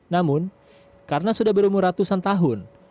namun karena sudah berumur ratusan tahun